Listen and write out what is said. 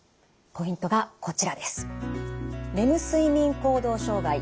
ポイントがこちらです。